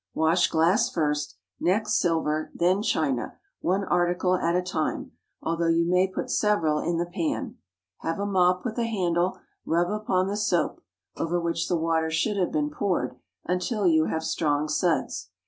Wash glass first; next silver; then china—one article at a time, although you may put several in the pan. Have a mop with a handle; rub upon the soap (over which the water should have been poured) until you have strong suds.